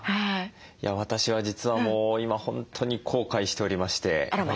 私は実はもう今本当に後悔しておりまして。